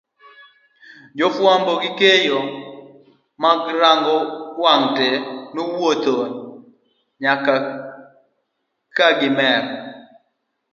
jofuambo gi keyo mag rang'ong wang' te nowuodho nyakakorgiemier